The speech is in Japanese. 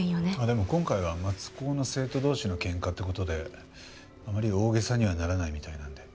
でも今回は松高の生徒同士の喧嘩っていう事であまり大げさにはならないみたいなんで。